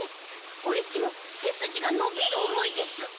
オレっちもせすじがのびるおもいです。